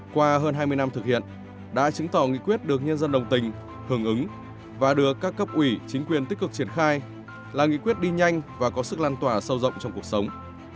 qua hơn hai mươi năm thực hiện đã chứng tỏ nghị quyết được nhân dân đồng tình hưởng ứng và được các cấp ủy chính quyền tích cực triển khai là nghị quyết đi nhanh và có sức lan tỏa sâu rộng trong cuộc sống